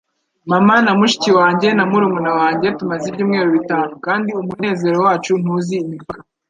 Mama, na mushiki wanjye na murumuna wanjye tumaze ibyumweru bitanu, kandi umunezero wacu ntuzi imipaka.